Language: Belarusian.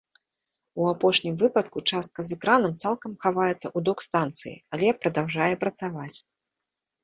У апошнім выпадку частка з экранам цалкам хаваецца ў док-станцыі, але прадаўжае працаваць.